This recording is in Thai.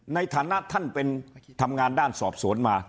ในฐานะท่านเป็นทำงานด้านสอบสวนมา